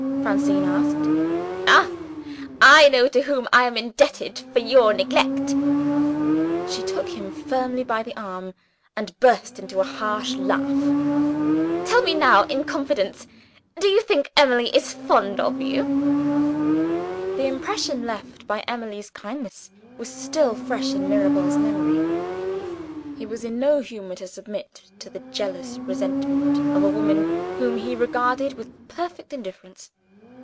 Francine asked. "Ah, I know to whom I am indebted for your neglect!" She took him familiarly by the arm, and burst into a harsh laugh. "Tell me now, in confidence do you think Emily is fond of you?" The impression left by Emily's kindness was still fresh in Mirabel's memory: he was in no humor to submit to the jealous resentment of a woman whom he regarded with perfect indifference.